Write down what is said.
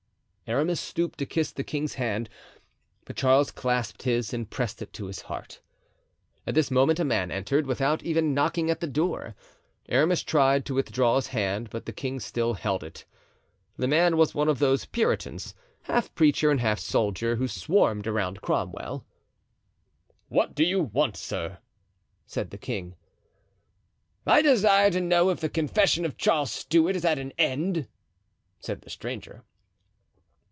Aramis stooped to kiss the king's hand, but Charles clasped his and pressed it to his heart. At this moment a man entered, without even knocking at the door. Aramis tried to withdraw his hand, but the king still held it. The man was one of those Puritans, half preacher and half soldier, who swarmed around Cromwell. "What do you want, sir?" said the king. "I desire to know if the confession of Charles Stuart is at an end?" said the stranger.